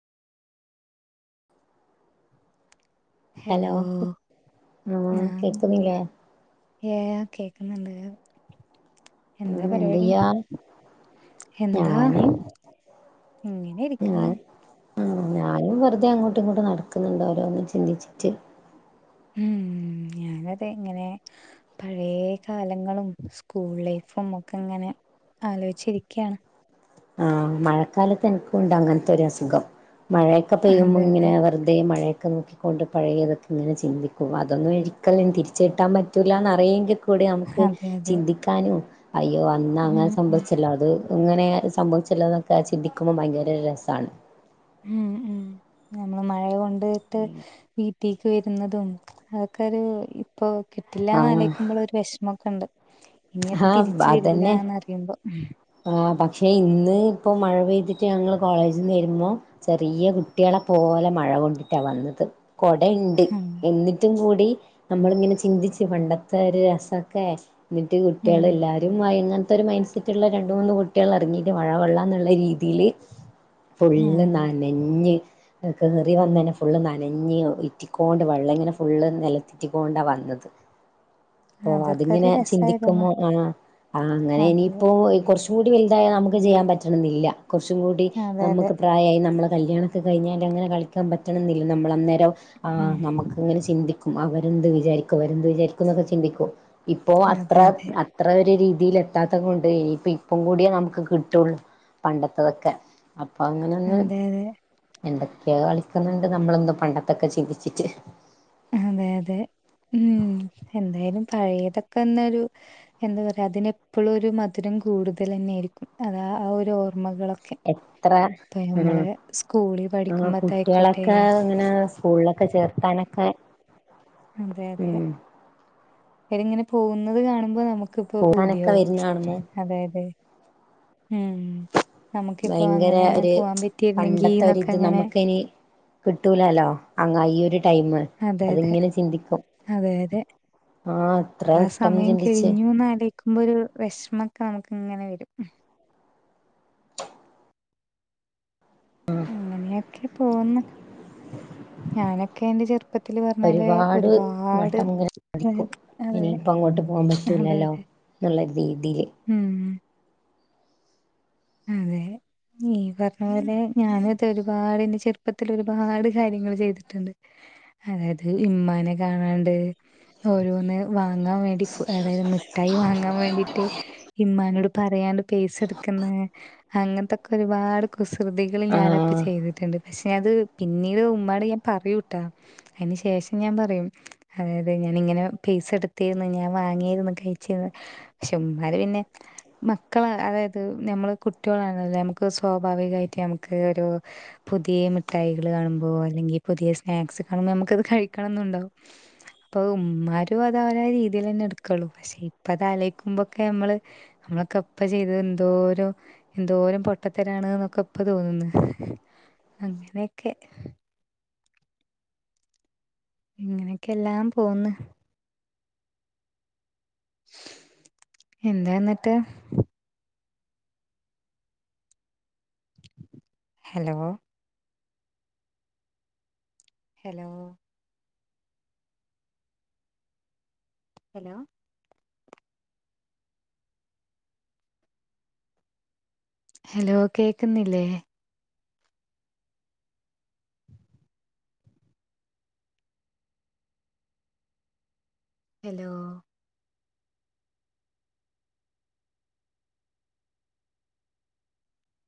[inaudible] Hello ആ ആഹ് കേക്കുന്നില്ലേ ഏ കേക്കുന്നുണ്ട് എന്താ ആഹ് പരിപാടി എന്തെയ്യാ എന്താ ഞാന് ഇങ്ങനെ ഞാൻ ഇരിക്ക്ന്ന് ആഹ് ഞാനും വെറുതെ അങ്ങോട്ടും ഇങ്ങോട്ടും നടക്ക്ന്ന്ണ്ട് ഓരോന്ന് ചിന്തിച്ചിട്ട് മ് ഞാനതെ ഇങ്ങനെ പഴേ കാലങ്ങളും സ്കൂൾ ലൈഫും ഒക്കെ ഇങ്ങനെ ആലോച്ചിരിക്കയാണ് ആഹ് മഴക്കാലത്ത് എനക്കുണ്ട് അങ്ങനത്തെ ഒരു അസുഖം മഴയൊക്കെ പെയ്യുമ്പോ അതെ ഇങ്ങനെ അതെ വെറുതെ മഴയൊ ഒക്കെ നോക്കിക്കൊണ്ട് പഴയതൊക്കെ ഇങ്ങനെ ചിന്തിക്കും അതൊന്നും ഒരിക്കലും ഇനി തിരിച്ച് കിട്ടാൻ പറ്റൂലാന്ന് അറിയെങ്കിലും കൂടി നമക്ക് അതെ അതെ ചിന്തിക്കാനും അയ്യോ അന്ന് അങ്ങനെ ഉം ഉം സംഭവിച്ചല്ലോ അത് ഇങ്ങനെ സംഭവിച്ചല്ലോന്ന് ഒക്കെ ചിന്തിക്കുമ്പോ ഭയങ്കരോരു രസാണ് മ് മ് നമ്മള് മഴ കൊണ്ട്ട്ട് വീ ട്ടീക്ക് വെരുന്നതും അതൊക്കൊരു ഇപ്പോ കിട്ടില്ലാന്ന് ആഹ് ആലോയിക്കുമ്പോളൊരു വെഷമൊക്കെണ്ട് ഇനി അത് തിരിച്ച് വരില്ലാന്നറിയുമ്പോ ആ പക്ഷെ ഇന്ന് ഇപ്പം മഴ പെയ്തിട്ട് ഞങ്ങള് കോളേജീന്ന് വരുമ്പോ ചെറിയ കുട്ടികളെ പോലെ മഴ കൊണ്ടിട്ടാ വന്നത് കൊടയിണ്ട് ഉം എന്നിട്ടും കൂടി നമ്മളിങ്ങനെ ചിന്തിച്ച് പണ്ടത്തെ ഒരു രസൊക്കെ എന്നിട്ട് ഉം കുട്ടിളെല്ലാരും വയ [unintelligible] ഇങ്ങനെത്തെ ഒരു മൈൻഡ് സെറ്റ് ഉള്ള അന്ന് കുട്ട്യള് ഇറങ്ങിട്ട് മഴവെള്ളാന്നുള്ള രീതില് ഉം ഫുള്ള് നനഞ്ഞ് കേറി വന്നന്നെ ഫുള്ള് നനഞ്ഞ് ഇറ്റിക്കൊണ്ട് വെള്ളം ഇങ്ങനെ ഫുള്ള് നിലത്തിറ്റിക്കൊണ്ടാ വന്നത് ഓ അതൊക്കെ ഒരു അത്ങ്ങനെ രസായിരുന്നു ചിന്തിക്കുമ്പോ ആഹാ ആ അങ്ങനെ ഇനിയിപ്പോ അതെ ഒ [unintelligible] കൊറച്ചൂ കൂടി വലുതായ നമക്ക് ചെയ്യാൻ പറ്റണന്നില്ല കുറച്ചും കൂടി അതെ നമക്ക് പ്രായായി നമ്മളെ [unintelligible] കല്യാണൊക്കെ കഴിഞ്ഞാൽ അങ്ങനെ കളിക്കാൻ പറ്റണന്നില്ല നമ്മൾ അന്നേരം ആ നമുക്കങ്ങനെ ചിന്തിക്കും അവർ എന്ത് വിചാരിക്കും അവരെന്ത് വിചാരിക്കും എന്നൊക്കെ ചിന്തിക്കും ഇപ്പോ അതെ അത്ര അതെ അതെ അത്ര ഒരു രീതി രീതിൽ എത്താത്ത കൊണ്ട് ഇനിയിപ്പോ ഇപ്പം കൂടിയേ നമക്ക് കിട്ടൊള്ളൂ പണ്ടത്തതൊക്കെ അപ്പൊ അങ്ങനെ അങ്ങ് അതെ അതെ എന്തൊക്കെയോ കളിക്ക്ന്ന്ണ്ട് [unintelligible] നമ്മളൊന്നും പണ്ടത്തൊക്കെ ചിന്തിച്ചിട്ട് അതെ അതെ മ് എന്തായാലും പഴയതൊക്കെന്നൊരു എന്താ പറയാ അതിനെപ്പോളും ഒരു മധുരം കൂടുതലെന്നെയായിരിക്കും അതാ ആ ഒരു ഓർ [unintelligible] ഓർമ്മകളൊക്കെ എത്ര ഇപ്പം ഉം ഞമ്മള് സ്കൂളിൽ ആ പഠിക്കുമ്പത്തെ ആയിക്കോട്ടെ കുട്ടികളൊക്കെ ഇങ്ങനെ സ്കൂളിലൊക്കെ ചേർത്താനൊക്കെ അതെ അതെ ഉം അവരിങ്ങനെ പോകുന്നത് കാണുമ്പോ നമുക്ക് ക്ക്‌ ഇപ്പോ പോകാനൊക്കെ പൂതിയാവും വരുന്ന കാണുമ്പോ അതായതാ മ് ഭയങ്കര ഒരു പണ്ടത്തെ ഒരു എന്നൊക്കെ ഇത് അങ്ങനെ നമുക്ക് ഇനി കിട്ടൂലാല്ലോ അങ്ങ ഈ ഒരു ടൈമ് അതെ അതെ അതിങ്ങനെ ചിന്തിക്കും അതെ അതെ ആ എത്ര ആ വട്ടം സമയം ചിന്തിച്ച് കഴിഞ്ഞൂന്നാലേജിക്കുമ്പോ ഒരു വിഷമൊക്കെ നമുക്ക് ഇങ്ങനെ വരും അങ്ങനെയൊക്കെ പോന്ന് ഞാനൊക്കെ എന്റെ ചെറുപ്പ ഒരുപാട് വട്ടമിങ്ങനെ അതെ പഠിക്കും അതെ ഇനിയിപ്പ അങ്ങോട്ട് പോകാൻ അതെ പറ്റൂലല്ലോ അതെ എന്നുള്ള രീതിയില് ഉം അതെ ഈ പറഞ്ഞ പോലെ ഞാന് ഇത് ഒരുപാടെന്റെ ചെറുപ്പത്തിൽ ഒരുപാട് കാര്യങ്ങൾ ചെയ്തിട്ടുണ്ട് അതായത് ഇമ്മാനെ കാണാണ്ട് ഓരോന്ന് വാങ്ങാൻ വേണ്ടി ഫ് അതായത് മിഠായി വാങ്ങാൻ വേണ്ടിട്ട് ഇമ്മാനോട് പറയാണ്ട് പൈസെടുക്കുന്ന് അങ്ങനത്തെയൊക്കെ ഒരുപാട് കുസൃതികൾ ഞാനപ്പ ആഹ് ചെയ്തിട്ട്ണ്ട് പക്ഷെ അത് പിന്നീട് ഉമ്മാട് ഞാൻ പറയൂട്ടാ അതിന് ശേഷം ഞാൻ പറയും അതായത് ഞാനിങ്ങനെ പൈസ എടുത്തിരുന്നു ഞാൻ വാങ്ങിരുന്നു കഴിച്ചിരുന്ന് പക്ഷെ ഉമ്മ പിന്നെ മ ക്കള അതായത് ഞമ്മൾ കുട്ടിയൊളാണല്ലോ നമുക്ക് സ്വാഭാവികമായിട്ട് നമക്ക് ഒരു പുതിയ മിഠായികൾ കാണുമ്പോൾ അല്ലെ ഞ്ഞി പുതിയ സ്നാക്സ് കാണുമ്പോ നമുക്കത് കഴിക്കണം ന്നുണ്ടാവും അപ്പൊ ഉമ്മാരും അതോര രീതിയിൽ ന്നെ എടുക്കുള്ളു. പക്ഷെ ഇപ്പത് അലോ യ്ക്കുമ്പോക്ക ത് നമ്മള് നമ്മളൊക്കെ പ്പ ചെയ്തത് എന്തോരോ, എന്തോരം പൊട്ടത്തരാണ് എന്നൊക്കെ പ്പ തോന്നുന്ന് അങ്ങനെയൊക്കെ ഇങ്ങനെയൊക്കെ എല്ലാം പോന്ന്. എന്തായെ ന്നിട്ട്? ഹലോ ഹലോ ഹലോ ഹലോ കേക്കുന്നില്ലേ ഹലോ